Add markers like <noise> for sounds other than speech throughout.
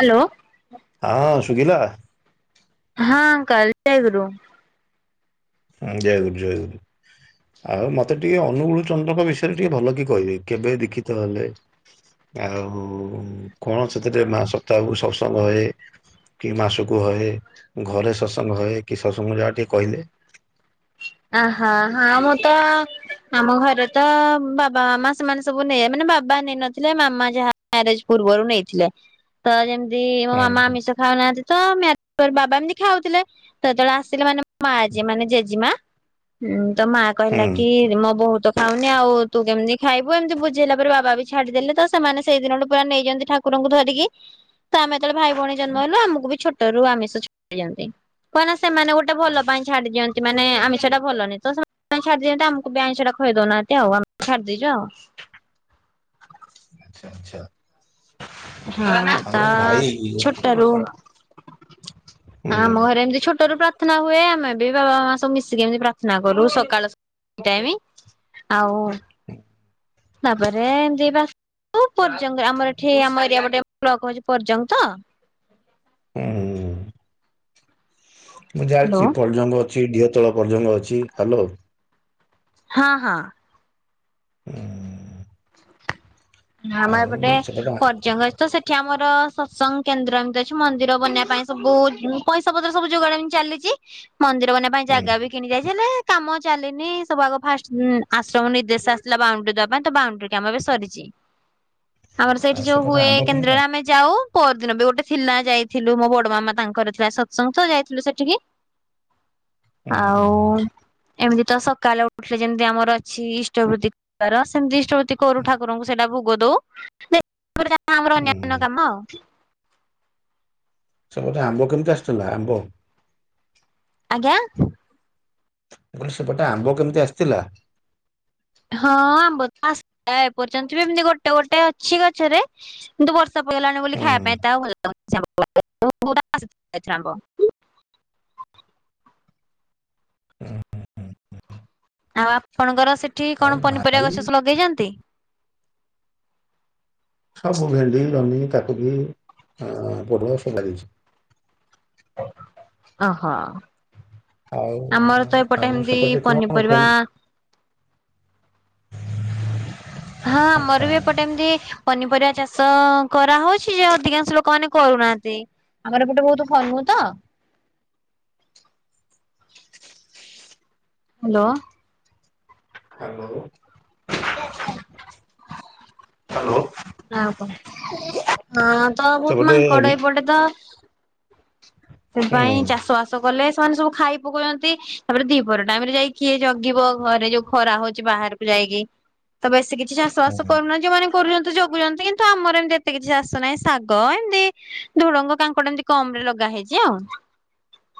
Hello ହଁ ସୁୁଗିଲା। ହଁ ଅଙ୍କଲ, ଜୟ ଗୁରୁ। ହଁ ଜୟଗୁରୁ ଜୟଗୁରୁ। ଆଉ ମତେ ଟିକେ ଅନୁଗୁଳ ଚନ୍ଦ୍ରଙ୍କ ବିଷୟରେ ଟିକେ ଭଲ କି କହିବେ କେବେ ଦୀକ୍ଷିତ ହେଲେ? ଆଉ କଣ ସେଥିରେ ମା ସପ୍ତାହକୁ ସତ୍ସଙ୍ଗ ହେ କି ମାସକୁ ହଏ ଘରେ ସତ୍ସଙ୍ଗ ହଏ କି ସତ୍ସଙ୍ଗ ଯାହା ଟିକେ କହିଲେ ଆ ହା ହଁ ମୁଁ ତ ଆମ ଘରେ ତ ବାବା ମାମା ସେମାନେ ସବୁ ନ ମାନେ ବାବା ନେଇ ନଥିଲେ ମାମା ଯ ମ୍ୟାରେଜ ପୂର୍ବରୁ ନେଇଥିଲେ ତ ଯେମତି ଯଦି ମୋ ହୁଁ ମାମା ହୁଁ। ଆମିଷ ଖାଉନାହାନ୍ତି ତ ବାବା ଏମିତି ଖାଉଥିଲେ ସେତେବେଳେ ଆସିଲେ ମାନେ ମା ଯେ ମାନେ ଜେଜେମାଁ ତ ମା କହିଲା ହୁଁ। କି ମୋ ବୋହୁ ତ ଖାଉନି ଆଉ ତୁ କେମିତି ଖାଇବୁ ଏମିତି ବୁଝେଇଲା ପରେ ବାବା ବି ଛାଡିଦେଲେ ତ ସେମାନେ ସେଇ ଦିନଠୁ ପା ନେଇଛନ୍ତି ଠାକୁ ଠାକୁରଙ୍କୁ ଧରିକି ତ ଆମେ ଯେତେବେଳେ ଭାଇ ଭଉଣୀ ଜନ୍ମ ହେଲୁ ଆମକୁ ବି ଛୋଟ ଟରୁ ଆମିଷ ଛାଡ଼ିଛନ୍ତି। କାହିଁନା ସେମାନେ ଗୋଟେ ଭଲ ପାଇଁ ଛାଡି ଦଅନ୍ତି ମାନେ ଆଷ ସେଟା ଭଲନି ତ ସେ ଛାଡିଦ ତ ଆମକୁ ବି ଆଇଁଷଟା ଖୁଏଇ ଦୋଉନାହାନ୍ତି ଆଉ ଆମେ ଛାଡି ଦେଇଛୁ ଆଉ। ଆଛା ଆଛା। ହଁ ତା ଛୋଟରୁ ହ ହୁଁ। ଆମ ଘରେ ଏମିତି ଛୋଟରୁ ପ୍ର ପ୍ରାର୍ଥନା ହୁଏ। ଆମେ ବି ବାବା ମାମା ସବୁ ମିଶିକି ଏମତି ପ୍ରାର୍ଥନା କରୁ ସକାଳ ସ୍ ଦି ଟାଇମ୍। ଆଉ। ହଁ। ତା ପରେ ଏମତି ବା କୋଉ ପର୍ଯଙ୍ଗରେ ଆମର ଏଠି ଆମ ଏରିଆ ଗୋଟେ ବ୍ଲକ ହୋଉଛି ପର୍ଯଙ୍ଗ ତ ହୁଁ। ମୁଁ ହ୍ୟାଲୋ ଜାଣିଛି ପର୍ଜଙ୍ଗ ଅଛି ଢିଅ ତଳ ପର୍ଜଙ୍ଗ ଅଛି ହ୍ୟାଲୋ। ହଁ ହଁ। ହୁଁ। ଆମର ଏପଟେ ଆଉ ସେପଟେ ଆ- ପର୍ଯଙ୍ଗ ଅଛି ତ ସେଠ ଏଠି ଆମର ସତ୍ସଙ୍ଗ କେନ୍ଦ୍ର ଏମିତି ଅଛି ମନ୍ଦିର ବନେଇବା ପାଇଁ ସବୁ ପଇସା ପତ୍ର ସବୁ ଯୋଗାଡ ଏନ୍ତି ଚାଲିଛି ମନ୍ଦିର ବନେଇବା ପାଇଁ ହୁଁ ଜାଗା ବି କିଣି ଯାଇଛି ହେଲେ କାମ ଚାଲିନି ସବୁ ଆଗ ଫାଷ୍ଟ ଆଶ୍ରମ ନିର୍ଦ୍ଦେଶ ଆସିଲା ବାଉଣ୍ଡରି ଦବା ପାଇଁ ତ ବାଉଣ୍ଡରି କାମ ଏବେ ସରିଛି। ଆମର ସେଇଠି ଆଉ ଯୋଉ ସେପଟେ ହୁଏ ଆମ୍ବ କେମିତା? କେନ୍ଦ୍ରରେ ଆମେ ଯାଉ ପରଦିନ ବି ଗୋଟେ ଥିଲା ଯାଇଥିଲୁ ମୋ ବଡ ମାମା ତାଙ୍କର ଥିଲା ସତ୍ସଙ୍ଗ ତ ଯାଇଥିଲୁ ସେଠିକି। ହୁଁ ହୁଁ ଆଉ। ଏମିତି ତ ସକାଳେ ଉଠିଲେ ଯେମିତି ଆମର ଅଛି ଇଷ୍ଟବୃତ୍ତିିବାର ସେମିତି ଇଷ୍ଟବୃତ୍ତି କରୁ ଠାକୁରଙ୍କୁ ସେଇଟା ଭୋଗ ଦଉ ଆମର ଅନ୍ୟାନ୍ୟ ହୁଁ କାମ ଆଉ। ସେବଟେ ଆମ୍ବ କେମିତି ଆସିଥିଲା ଆମ୍ବ? ଆଜ୍ଞା। କହିଲ ସେପଟେ ଆମ୍ବ କେମିତି ଆସିଥିଲା? ହଁ ଆମ୍ବ ଆସ ଏପର୍ଯ୍ୟନ୍ତ ବି ଏମିତି ଗୋଟେ ଗୋଟେ ଅଛି ଗଛରେ କିନ୍ତୁ ବର୍ଷ ସବଗଲାଣି ବୋଲି ଖାଇବା ହୁଁ ପାଇଁ ଏତେ ଆଉ ଭଲ ଲାଗୁନି। <unintelligible> ଏଥର ଆମ୍ବ। ହ ହଁ ହଁ ଆଉ ଆପଣଙ୍କର ସେଠି ଆଉ କଣ ପନିପରିବା ଭାଇ ଗଛ ସବୁ ଲଗେଇଛନ୍ତି? ସବୁ ଭେଣ୍ଡି ଜହ୍ନି କାକୁଡି ବି ପୋଟଲ ସବୁ ହେଇଚି। ଅ ହୋ ଆଉ ଆମର ତ ଏପଟେ ଆଉ ଏମିତି ସେପଟେ କଣ ପନିପରିବା କେମି- ହଁ ଆଚ୍ଛା ଆମର ବି ଏପଟେ ଏମତି ପନିପରିବା ଚାଷ କରାହଉଛି ଯ ଅଧିକାଂଶ ଲୋକମା କରୁନାହାନ୍ତି ଆମର ଏପଟେ ବହୁତ ହନୁ ତ ହ୍ୟାଲୋ ହ୍ୟାଲୋ ହ୍ୟାଲୋ ଆଉ କଣ ହଁ ତ ବହୁତ ସେପଟେ ହୁଁ ମାଙ୍କଡ ଏପଟେ ତ ସେ ପାଇଁ ଚାଷ ହୁଁ ବାସ କଲେ ସେମାନେ ସବୁ ଖାଇ ପକଉଛନ୍ତି ତାପରେ ଦ୍ୱିପହର ଟାଇମ ରେ ଯାଇ କିଏ ଜଗିବ ଘରେ ଯୋଉ ଖରା ହଉଛି ବାହାରକୁ ଯାଇ ଇକି ତ ବେଶୀ କିଛି ଚାଷ ବାସ କରୁନ ଯୋଉମାନ କରୁଛନ୍ତି ଜଗୁଛନ୍ତି କିନ୍ତୁ ଆମର ଏମିତି ଏତେ କିଛି ଚାଷ ନାହିଁ ଶାଗ ଏମିତି ଝୁଡଙ୍ଗ କାଙ୍କଡ ଏମିତି କମ ଲଗା ହେଇଛି ଆଉ।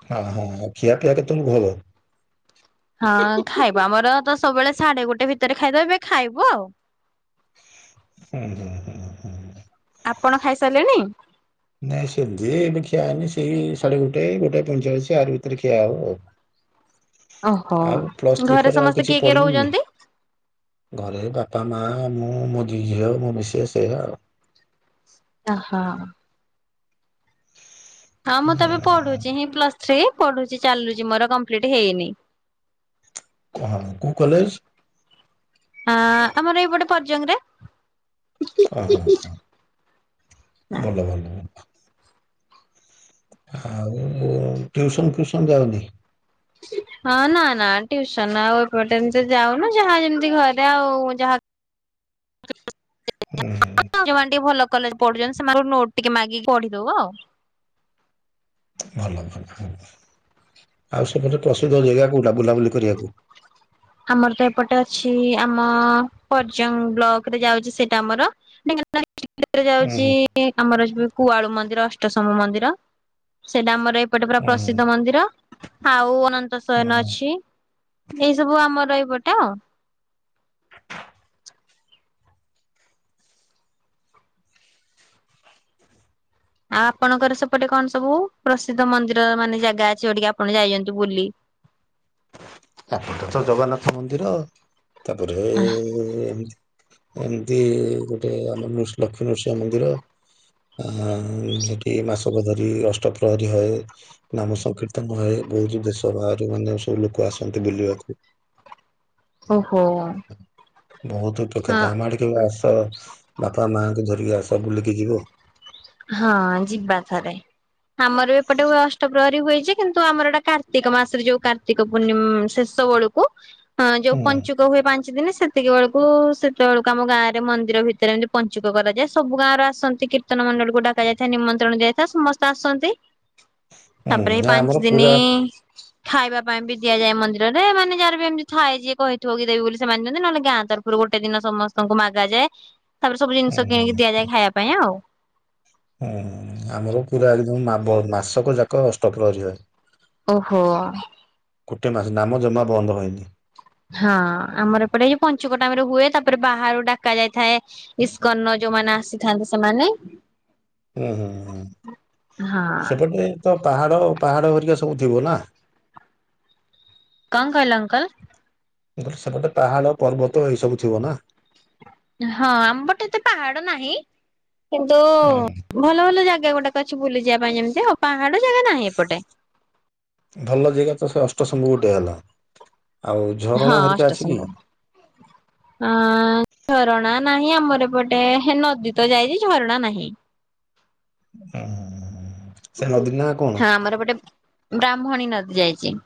ହଁ ହଁ ଆଉ ଖିଆ ପିଆ କେତେ ବେଳକୁ ହବ? ହଁ ଖାଇବ ଆମର ତ ସବୁବେଳେ ସାଢେ ଗୋଟେ ଭିତରେ ଖାଇଦବେ ଏବେ ଖାଇବ ଆଉ। <inaudible> ହୁଁ ହୁଁ ହୁଁ ହୁଁ ହୁଁ ଆପଣ ଖାଇସାରିଲେଣି? ନାଇଁ ସେବେ ଏବେ ଖିଆ ହେଇନି ସେଇ ସାଢେ ଗୋଟେ ଗୋଟେ ପଇଁଚାଳିଶ ଆରି ଭିତରେ ଖିଆ ହବ ଆଉ। ଓହୋ। ଆଉ ପ୍ଲସ ଥ୍ରୀ ଘରେ ପରେ ଆଉ ସମସ୍ତେ କିଛି କିଏ କିଏ ପଢିଲିନି ରହୁଛନ୍ତି? ଘରେ ବାପା ମା ମୁଁ ମୋ ଦି ଝିଅ ମୋ ମିସେଶେ ସେଆ ଆଉ ଅ ହଁ ହଁ ମୁଁ ତ ଏବେ ଆଉ। ପଢୁଛି ହିଁ ପ୍ଲସ ଥ୍ରୀ। ପଢୁଛି ଚାଲୁଛି ମୋର କମ୍ପ୍ଲିଟ ହେଇନି ହଁ କୋଉ କଲେଜ? ହଁ ଆମର ଏଇପଟେ ପର୍ଜଙ୍ଗ ରେ ହ ହ ହ ଭଲ ଭଲ ଭଲ ଆଉ ଟିଉସନ ଫ୍ୟୁସନ ଯାଉନି <inaudible> ହଁ ନା ନା ଟିଉସନ ଆଉ ଏପଟେ ଏମତି ଯାଉନୁ ଯାହା ଯେମିତି ଘରେ ଆଉ ଯାହା ହୁଁ ହୁଁ ଯଉମାନେ ଟିକେ ଭଲ କଲେଜ ପଢୁଛନ୍ତି ସେମାନଙ୍କୁ ନୋଟ ଟିକେ ମାଗିକି ପଢିଦଉ ଆଉ। ଭଲ ଭଲ ଆଉ ସେପଟେ ପ୍ରସିଦ୍ଧ ଜେଗା କୋଉଟା ବୁଲାବୁଲି କରିବାକୁ ଆମର ତ ଏପଟେ ଅଛି ଆମ ପରଜ୍ୟଙ୍ଗ ବ୍ଲକ ରେ ଯାଉଛି ସେଇଟା ଆମର <unintelligible> <inaudible> ରେ ହୁଁ ଯାଉଛି ହୁଁ ଆମର ଯୋଉ କୁଆଳୁ ମନ୍ଦିର ଅଷ୍ଟଶମ ମନ୍ଦିର ସେଇଟା ଆମର ଏଇପଟେ ପରା ହୁଁ ହୁଁ ପ୍ରସିଦ୍ଧ ମନ୍ଦିର। ଆଉ ଅନନ୍ତ ସୈନ ହୁଁ। ଅଛି ଏ ସବୁ ଆମର ଏଇପଟ ଆଉ ଆପଣଙ୍କର ସେପଟେ କଣ ସବୁ ପ୍ରସିଦ୍ଧ ମନ୍ଦିର ମାନେ ଜାଗା ଅଛି ଯୋଇଟିକି ଆପଣ ଯାଇଛନ୍ତି ବୁଲି। <inaudible> ଆପଟେ ତ ଜଗନ୍ନାଥ ମନ୍ଦିର ତାପରେ ଏ ଏମତି ଏମିତି ଗୋଟେ ଆମର ନୃ ଲକ୍ଷ୍ମୀ ନୃସିଂହ ମନ୍ଦିର। ହଅ ସେଠି ମାସକ ଧରି ଅଷ୍ଟ ପ୍ରହରୀ ହଏ ନାମ ସଂକୀର୍ତ୍ତନ ହଏ। ବହୁତ ଦେଶ ବାହାରୁ ମାନେ ସବୁ ଲୋକ ଆସନ୍ତି ବୁଲିବାକୁ। ଓହୋ ବହୁତ ହଁ ଉପକାରିତା ଆମ ଆଡିକି କେବେ ଆସ ବାପା ମାଙ୍କୁ ଧରିକି ଆସ ବୁଲିକି ଯିବ। ହଁ ଯିବା ଥରେ ଆମର ଏପଟେ ହୁଅ ଫେବୁଆରୀ ହୁଏଯେ କିନ୍ତୁ ଆମର ଏଇଟା କାର୍ତ୍ତିକ ମାସରେ ଯୋଉ କାର୍ତ୍ତିକ ପୂର୍ଣ୍ଣିମ ଶେଷ ବେଳକୁ ହଁ ଯୋଉ ହୁଁ ପଞ୍ଚୁକ ହୁଏ ପାଞ୍ଚ ସିଦିନ ସେତିକି ବେଳକୁ ସେତେବେଳକୁ ଆମ ଗାଁ ରେ ମନ୍ଦିର ଭିତରେ ଏମିତି ପଞ୍ଚୁକ କରାଯାଏ ସବୁ ଗାଁ ର ଆସନ୍ତି। କୀର୍ତ୍ତନ ମଣ୍ଡଳକୁ ଡକା ଯାଇଥାଏ ନିମନ୍ତ୍ରଣ ଦିଆଯାଇଥାଏ ସମସ୍ତେ ଆସନ୍ତି। ହୁଁ ତାପରେ ଏଇ ନା ପାଞ୍ଚ ଆମର ଦିନି ପୁରା ଖାଇବା ପାଇଁ ବି ଦିଆଯାଏ ମନ୍ଦିରରେ ମାନେ ଯାହର ବି ଏମିତି ଥାଏ ଯିଏ କହିଥିବ କି ଦେବି ବୋଲି ସେମାନେ ଦିଅନ୍ତି ନହେଲେ ଗାଁ ତରଫରୁ ଗୋଟେ ଦିନ ସମସ୍ତ ଙ୍କୁ ମାଗା ଯାଏ ତାପରେ ସବୁ ହୁଁ ଜିନିଷ କିଣିକି ଦିଆଯାଏ ଖାଇବା ପାଇଁ ଆଉ। ହୁଁ ଆମର ପୁରା ଅଜିଦୁ ମାବ ମାସକ ଯାକ ଅଷ୍ଟପ୍ରହରୀ ହଏ। ଓହୋ ଗୋଟେ ମାସ ନାମ ଜମା ବନ୍ଦ ହଏନି। ହଁ ଆମର ଏପଟେ ଏଇ ପଞ୍ଚୁକ ଟାମ ରେ ହୁଏ ତାପରେ ବାହାରୁ ଡାକା ଯାଇଥାଏ ଇସ୍କନ ଯୋଉମାନେ ଆସିଥାନ୍ତି ସେମାନେ। ହୁଁ ହୁଁ ହଁ ହଁ। ସେପଟେ ତ ପାହାଡ ପାହାଡ ଭରିକା ସବୁ ଥିବ ନା? କଣ କହିଲ ଅଙ୍କଲ? ସେପଟେ ପାହାଡ ପର୍ବତ ଏଇ ସବୁ ଥିବ ନା? ହଁ ଆମପଟେ ଏତେ ପାହାଡ ନାହିଁ। କିନ୍ତୁ ହୁଁ ଭଲ ଭଲ ଜାଗା ଗୁଡାକ ଅଛି ବୁଲିଯିବା ପାଇଁ ଯେମିତି ହପା ଭଲ ଯେଗା ତ ସେ ଅଷ୍ଟଶମ୍ଭୁ ଗୋଟେ ହେଲା। ଆଉ ହଁ ଝରଣା ହେରିକା ଅଛି କି? ଅଷ୍ଟଶମ୍ଭୁ ଆ ଝରଣା ନାହିଁ ଆମର ପଟେ ହେ ନଦୀ ତ ଯାଇଚି ଝରଣା ନାହିଁ। ହଁ। ହଁ ଆମର ଗୋଟେ ବ୍ରାହ୍ମଣୀ ନଦୀ ଯାଇଚି।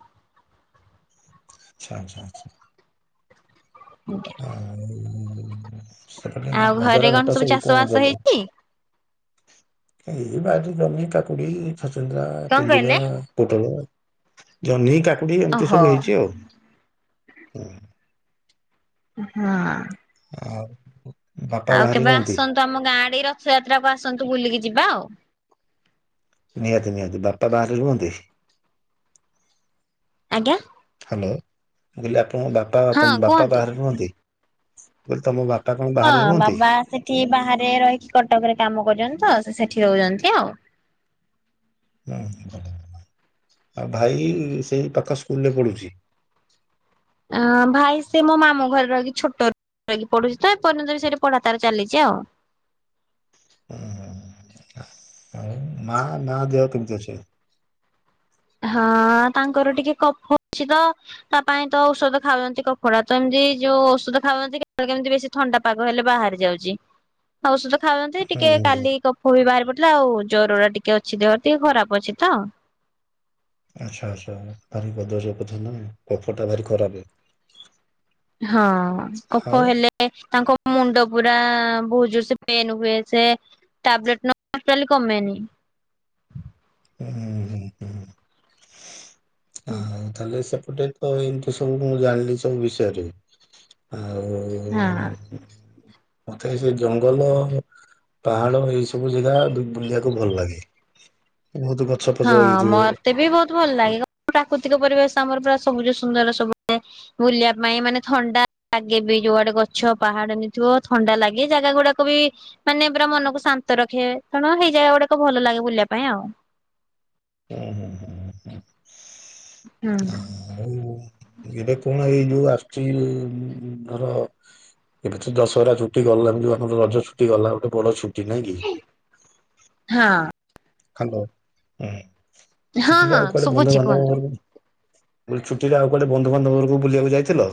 ଆଛା ଆଛା ଆଛା। <inaudible> ସେପଟେ କଉ ଆଉ ଘରେ ବଜାର କଣ ଘାଟ ସବୁ ଚାଷ କଣ ବାସ ବଜାର? ହେଇଛି? ଏଇ ବାରି ଜହ୍ନି କାକୁଡି ଛଚିନ୍ଦ୍ରା କଣ କୁନ୍ଦୁରା କହିଲେ? ପୋଟଳ ଜହ୍ନି କାକୁଡି ଏମିତି ଓହୋ ସବୁ ହେଇଚି ଆଉ। ହୁଁ। ହଁ। ହଉ। ଆଉ କେବେ ଆସନ୍ତୁ ଆମ ଗାଁ ଆଡ଼ିକି ରଥଯାତ୍ରାକୁ ଆସନ୍ତୁ ବୁଲିକି ଯିବା ଆଉ। ନିହାତି ନିହାତି ବାପା ବାହାରେ ରୁହନ୍ତି? ଆଜ୍ଞା। ହାଲୋ କହିଲି ଆପଣଙ୍କ ହଁ ବାପା ବାପା କୁହନ୍ତୁ। ବାହାରେ ରୁହନ୍ତି କହିଲି ତମ ବାପା କଣ ହଁ ବାହାରେ ରୁହନ୍ତି ବାବା ସେଠି ବାହାରେ ରହିକି କଟକରେ କାମ କରୁଚନ୍ତି ତ ସେ ସେଟ୍ ଠି ରହୁଚନ୍ତି ଆଉ। ହୁଁ ଭଲ ଭଲ। ଆ ଭାଇ ସେଇ ପାଖ ସ୍କୁଲ ରେ ପଢୁଚି? ଅ ଭାଇ ସେ ମୋ ମାମୁଁ ଘରେ ରହିକି ଛୋଟ ରୁ ରେ ରହିକି ପଢୁଚି ତ ଏପର୍ଯ୍ୟନ୍ତ ବି ସେଠି ପଢା ତାର ଚାଲିଚି ଆଉ। ହ ହ ଆଉ ମା ମା ଦେହ କେମିତି ଅଛି? ହଁ ତାଙ୍କର ଟିକେ କଫ ଅଛି ତ ତା ପାଇଁ ତ ଔଷଧ ଖାଉଚନ୍ତି କଫତା ତ ଏମତି ଯୋଉ ଔଷଧ ଖାଉଛନ୍ତି କେତେ ବେଳେ କେମିତି ବେଶୀ ଥଣ୍ଡା ପାଗ ହେଲେ ବାହାରି ଯାଉଛି ଔଷଧ ଖାଉଚନ୍ତି ଟିକେ ହୁଁ କାଲି କଫ ବି ବହାରି ପଡି ଆଉ ଜର ଟା ଟିକେ ଅଛି ଦେହରେ ଟିକେ ଖରାପ ଅଛି ତ। ଆଚଛା ଆଚ୍ଛା ଭାରି ପଦସ ପଥ ନ କପ ଟା ଭାରି ଖରାପ। ହଁ କଫ ଆଉ ହେଲେ ତାଙ୍କ ମୁଣ୍ଡପୁରା ବହୁ ଜୋର ସେ ପେନ୍ ହୁଏ ସେ ଟ୍ୟାବଲେଟ ନ ନେଲେ ଟୋଟାଲ କମେନି। ହୁଁ ହୁଁ ହୁଁ। ଆଉ ତାହେଲେ ସେପଟେ ତ ଏମିତି ସବୁ ମୁଁ ଜାଣିଲି ସବୁ ବିଷୟରେ ଆଉ ହଁ, ମତେ ସେ ଜଙ୍ଗଲ ଅ ପାହାଡ ଏଇ ସବୁ ଜେଗା ବୁଲିବାକୁ ଭଲ ଲାଗେ। ବହୁତ ଗଛ ଫଛ ହଁ ହେଇଥିବ ହୁଁ ମୋତେ ବି ବହୁତ ଭଲ ଲାଗେ, <inaudible> ପ୍ରକୁତି ପରିବେଶ ଆମର ପୁରା ସବୁଜ ସୁନ୍ଦର ସବୁ ବୁଲିବା ପାଇଁ ମାନେ ଥଣ୍ଡା ଲାଗେ ବି ଯଉଆଡେ ଗ ଗଛ ପାହାଡ ଏମଥିବ ଥଣ୍ଡା ଲାଗେ ଜାଗା ଗୁଡାକୁ ବି ମାନେ ପୁରା ମନକୁ ଶାନ୍ତ ରଖେ କାଣ ସେଇ ଯାଗା ଗୁଡାକ ଭଲ ଲାଗେ ବୁଲିବା ପାଇଁ ଆଉ ହଁ ହଁ ହଁ ହୁଁ ଆଉ <inaudible> ଏବେ କଣ ଏଇ ଯୋଉ ଆସୁଛି ଧର ଏବେ ତ ଦଶହରା ଛୁଟି ଗଲା ଯଉ ଆମର ରଜ ଛୁଟି ଗଲା ଗୋଟେ ବଡ ଛୁଟି ନା? ଇକିି ହଁ ହାଲୋ ହଁ ଛୁଟିରେ ହଁ ଆଉ କୁଆଡେ ବନ୍ଧୁ ଶୁଭୁଛି କୁହନ୍ତୁ। ବାନ୍ଧବ ବ ଛୁଟିରେ ଆଉ କୁଆଟେ ବନ୍ଧୁବାନ୍ଧବକୁ ବୁଲିବାକୁ ଯାଇଥିଲ?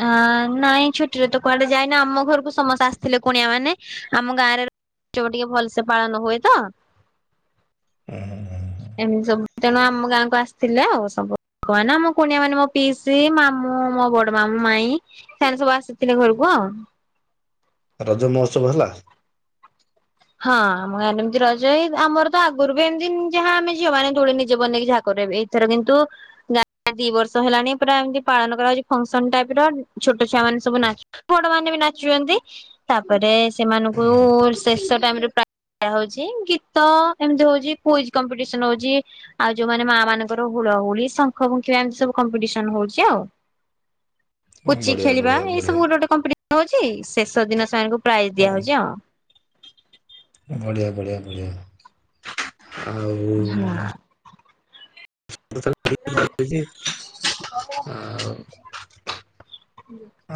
ହଁ ନାଇଁ ଛୁଟିରେ ତ କୁଆଡେ ଯାଇନି ଆମ ଘରକୁ ସମସ୍ତେ ଆସିଥିଲେ କୁଣିଆ ମାନେ ଆମ ଗାଁରେ ଜୋ ଟିକେ ଭଲସେ ପାଳନ ହୁଏ ତ ହୁଁ ହୁଁ ହହୁଁ ଏମିତି ସବୁ ତେଣୁ ଆମ ଗାଁକୁ ଆସିଥିଲେ ଆଉ ସବୁ। କହନା ମୋ କୁଣିଆ ମାନେ ମୋ ପିଇସି ମାମୁଁ ମୋ ବଡ ମାମୁଁ ମାଇଁ ସେମାନେ ସବୁ ଆସିଥିଲେ ଘରକୁ ଆଉ। ହଁ, ରଜ ମହୋତ୍ସବ ହେଲା? ହଁ ଆମ ଗାଁରେ ଏମିତି ରଜ ଏଇ ଆମର ତ ଆଗରୁ ବି ଏମିତି ଯାହା ଆମେ ଝିଅ ମାନ ଦୁଳି ନିଜେ ବନେଇକି ଯାହା କରୁ ଏବେ ଏଇ ଏଥର କିନ୍ତୁ ଦି ବର୍ଷ ହେଲାଣି ପୁରା ଏମତି ପାଳନ କରାହଉଛି ଫଙ୍କସନ ଟାଇପର ଛୋଟ ଛୁଆ ମାନେ ସବୁ ନାଚୁ ବଡ ମାନେ ବି ନାଚୁଛନ୍ତି ତାପରେ ସେମାନଙ୍କୁ ଶେଷ ତାପରେ ପା ଇା ହଉଛି ଗୀତ ଏମତି ହଉଚି କୁଇଜ କମ୍ପିଟିସନ ହଉଚି ଆଉ ଯଉମାନେ ମା ମାନଙ୍କର ହୁ ହୁଳହୁଳି ଶଙ୍ଖ ପୁଙ୍କିବା ଏମିତି ସବୁ କମ୍ପିଟିସନ ହଉଛି ଆଉ। ହୁଁ ପୁଚି ବଢିଆ ଖେଳିବା ବଢିଆ ଏଇସବୁ ବଢିଆ। ଗୁଟେ ଗୁଟେ କମ୍ପିଟେ ହଉଛି ଶେଷ ଦିନ ସେମାନଙ୍କୁ ପ୍ରାଇଜ ହୁଁ ଦିଆହଉଛି ଆଉ। ବଢିଆ ବଢିଆ ବଢିଆ ଆଉ ଉ ଆ <inaudible>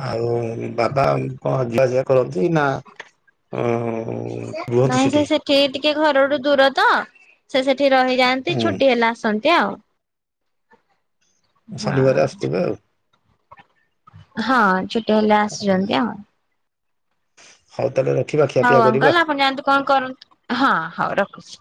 ଆଉ ବାବା କଣ ଜିବା ଆଶିବା କରନ୍ତି ନା ଅଂ ଅ ରୁହନ୍ତି ନାଇଁ ସେ ସେଠି? ସେଠିକି ଟି ଟିକେ ଘରଠୁ ଦୂର ତ ସେ ସେଠି ରହିଯାଆନ୍ତି ହୁଁ ଛୁଟି ହେଲେ ଆସନ୍ତି ଆଉ। ହଁ ଶନିବାର ଆସୁଥିବେ ଆଉ। ହଁ ଛୁଟି ହେଲେ ଆସିଛନ୍ତି ଆଉ। ହଉ ତାଏଲେ ରଖ ହଉ ଅଙ୍କଲ ଆପଣ ଜାନ୍ତୁ କଣ କରନ୍ତ ହଁ ହଉ ରଖୁଛି।